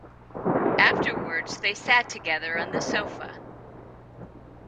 Afterwards they sat together on the sofa.